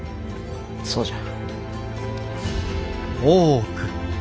そうじゃ。